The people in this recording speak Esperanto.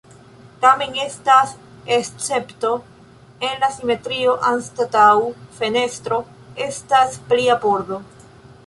Tamen estas escepto en la simetrio, anstataŭ fenestro estas plia pordo.